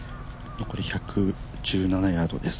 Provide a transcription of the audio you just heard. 残り１１７ヤードです。